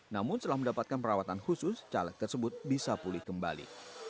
namun setelah mendapatkan perawatan khusus caleg tersebut bisa pulih kembali